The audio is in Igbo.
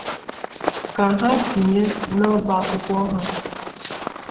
ka ha tinye n'ọba akwụkwọ ha.